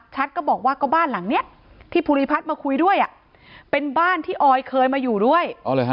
ก็บอกว่าก็บ้านหลังนี้ที่ภูริพัฒน์มาคุยด้วยเป็นบ้านที่ออยเคยมาอยู่ด้วย